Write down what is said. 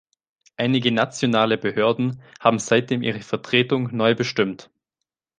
Einige nationale Behörden haben seitdem ihre Vertretung neu bestimmt.